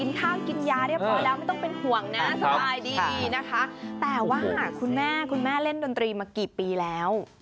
สบายดีดีนะคะแต่ว่าคุณแม่เล่นดนตรีมากี่ปีแล้ว